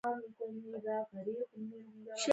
تر ټولو ستر او ویاړلی هویت افغانستان دی.